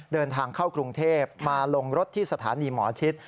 เดินทางเข้ากรุงเทพมาลงรถที่สถานีหมอชิด